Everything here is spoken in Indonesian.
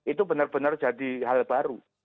itu benar benar jadi hal baru